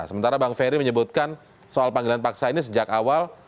sementara bang ferry menyebutkan soal panggilan paksa ini sejak awal